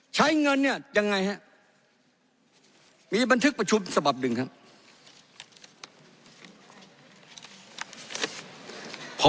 ใช้เงินเนี่ยยังไงฮะมีบันทึกประชุมฉบับหนึ่งครับ